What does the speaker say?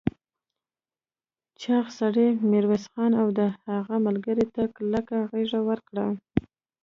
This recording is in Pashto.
چاغ سړي ميرويس خان او د هغه ملګرو ته کلکه غېږ ورکړه.